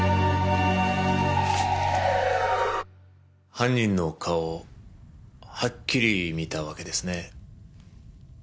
犯人の顔をはっきり見たわけですね。